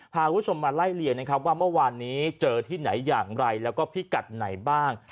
พาคุณผู้ชมมาไล่เลี่ยงนะครับว่าเมื่อวานนี้เจอที่ไหนอย่างไรแล้วก็พิกัดไหนบ้าง